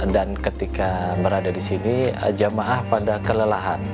dan ketika berada di sini jemaah pada kelelahan